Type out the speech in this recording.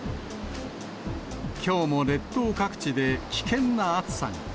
きょうも列島各地で危険な暑さに。